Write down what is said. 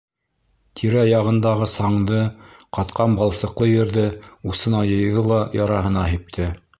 Тирә-яғындағы саңды, ҡатҡан балсыҡлы ерҙе усына йыйҙы ла яраһына һипте.